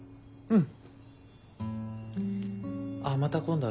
うん。